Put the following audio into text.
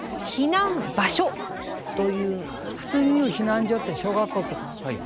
普通に言う避難所って小学校とかですよね。